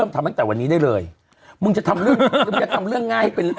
ทำตั้งแต่วันนี้ได้เลยมึงจะทำเรื่องมึงจะทำเรื่องง่ายให้เป็นเรื่อง